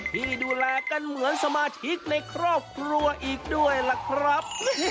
ที่ดูแลกันเหมือนสมาชิกในครอบครัวอีกด้วยล่ะครับ